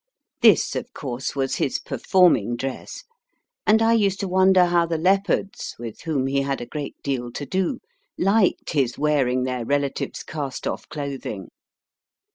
This, of course, was his performing dress, and I used to wonder how the leopards (with whom he had a great deal to do) liked his wearing their relative s cast off cloth ing.